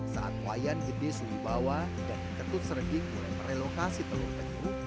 saat wayan gede suwi bawah dan ketut serging mulai merelokasi telur tengu